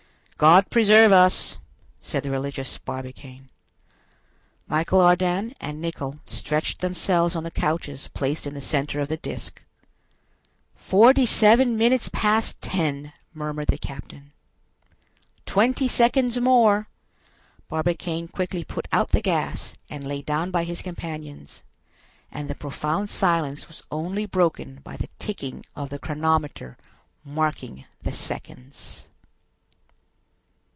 "God preserve us!" said the religious Barbicane. Michel Ardan and Nicholl stretched themselves on the couches placed in the center of the disc. "Forty seven minutes past ten!" murmured the captain. "Twenty seconds more!" Barbicane quickly put out the gas and lay down by his companions, and the profound silence was only broken by the ticking of the chronometer marking the seconds.